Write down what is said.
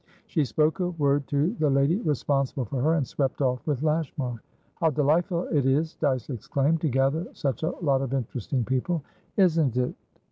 She spoke a word to the lady responsible for her, and swept off with Lashmar. "How delightful it is," Dyce exclaimed, "to gather such a lot of interesting people!" "Isn't it!"